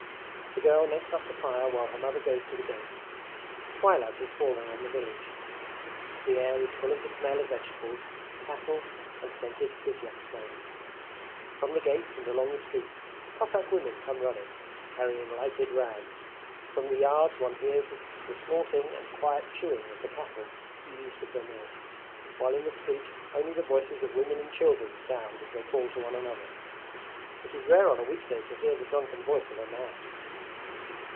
The girl makes up the fire while her mother goes to the gate. Twilight has fallen on the village. The air is full of the smell of vegetables, cattle, and scented kisyak smoke. From the gates and along the streets Cossack women come running, carrying lighted rags. From the yards one hears the snorting and quiet chewing of the cattle eased of their milk, while in the street only the voices of women and children sound as they call to one another. It is rare on a week day to hear the drunken voice of a man.